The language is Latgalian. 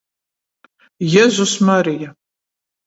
Jezus-Marija!